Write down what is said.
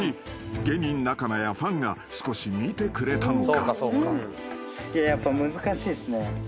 ［芸人仲間やファンが少し見てくれたのか？］